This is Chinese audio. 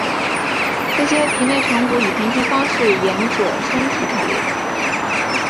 这些皮内成骨以平行方式沿者身体排列。